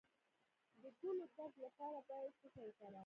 د ګلو درد لپاره باید څه شی وکاروم؟